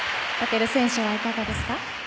尊選手はいかがですか？